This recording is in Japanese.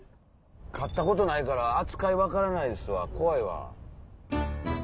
飼ったことないから扱い分からないですわ怖いわ。